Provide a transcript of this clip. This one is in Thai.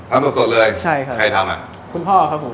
ทำสดเลยใครทำอ่ะคุณพ่อครับผม